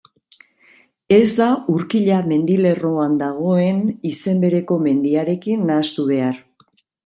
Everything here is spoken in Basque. Ez da Urkilla mendilerroan dagoen izen bereko mendiarekin nahastu behar.